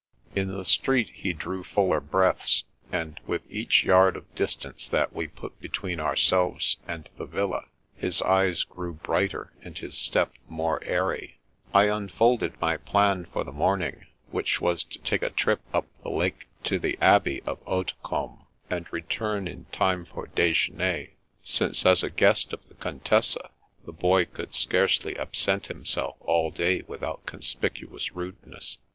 In the street he drew fuller breaths, and with each yard of distance that we put between ourselves and the villa his eyes grew brighter and his step more airy. I unfolded my plan for the morning, which was to take a trip up the lake to the Abt^y of Haute combe, and return in time for dSjeuner, since, as a guest of the Contessa, the Boy could scarcely ab sent himself all day without conspicuous rudeness.